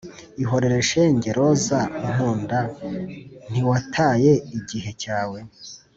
ihorere shenge roza unkunda ntiwataye igihe cyawe